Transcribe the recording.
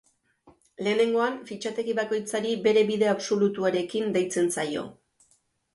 Lehenengoan fitxategi bakoitzari bere bide absolutuarekin deitzen zaio.